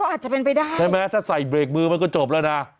อาจจะเป็นไปได้ใช่ไหมถ้าใส่เบรกมือมันก็จบแล้วนะ